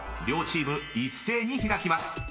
［両チーム一斉に開きます］